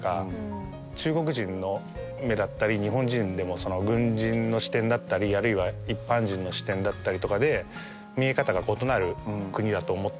中国人の目だったり日本人でもその軍人の視点だったりあるいは一般人の視点だったりとかで見え方が異なる国だと思ったんで。